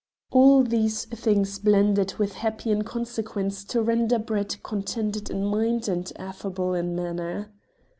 All these things blended with happy inconsequence to render Brett contented in mind and affable in manner.